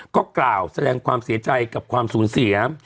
ก็กล่าวแสดงความเสียใจกับความสูญเสีย